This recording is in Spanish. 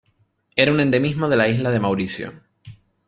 Era un endemismo de la isla de Mauricio.